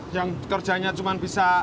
yang kerjanya cuman bisa